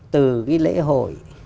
từ cái lễ hội